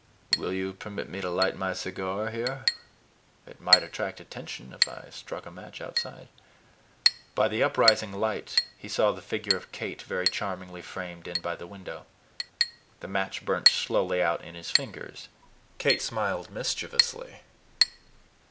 "Will you permit me to light my cigar here? It might attract attention if I struck a match outside." By the upspringing light he saw the figure of Kate very charmingly framed in by the window. The match burnt slowly out in his fingers. Kate smiled mischievously.